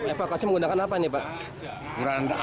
evakuasi menggunakan apa nih pak